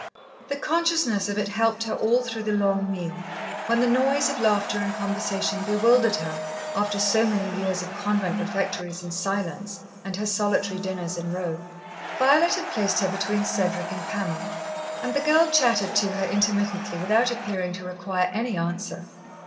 The consciousness of it helped her all through the long meal, when the noise of laughter and conversation bewildered her, after so many years of convent refectories and silence, and her solitary dinners in Rome. Violet had placed her between Cedric and Pamela, and the girl chattered to her intermittently, without appearing to require any answer.